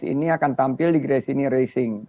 memiliki rekam yang lebih kecil di gresini racing